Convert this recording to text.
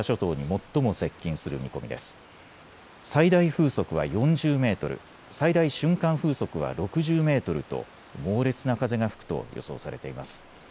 最大風速は４０メートル、最大瞬間風速は６０メートルと猛烈な風が吹くと予想されています。